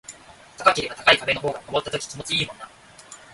高ければ高い壁の方が登った時気持ちいいもんな